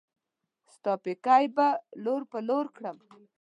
ستا پيکی به لور پر لور کړم